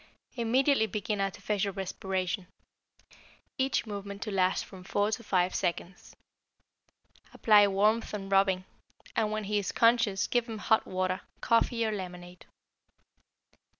Immediately begin artificial respiration, each movement to last from four to five seconds. Apply warmth and rubbing, and when he is conscious give him hot water, coffee, or lemonade.